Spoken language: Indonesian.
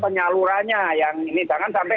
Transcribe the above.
penyalurannya yang ini jangan sampai